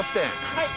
はい。